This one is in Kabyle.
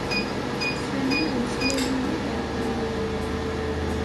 Sami imeslay-iyi-d ɣef waya.